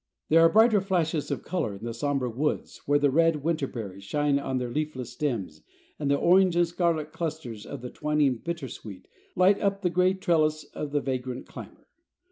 There are brighter flashes of color in the sombre woods where the red winter berries shine on their leafless stems and the orange and scarlet clusters of the twining bitter sweet light up the gray trellis of the vagrant climber.